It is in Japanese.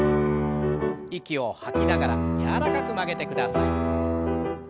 息を吐きながら柔らかく曲げてください。